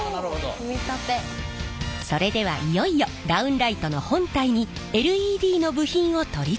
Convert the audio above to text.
それではいよいよダウンライトの本体にＬＥＤの部品を取り付けます。